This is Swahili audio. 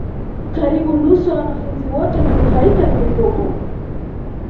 karibu nusu ya wanafunzi wote wananufaika na mikopo